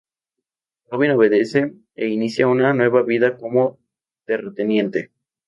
Robin obedece e inicia una nueva vida como terrateniente.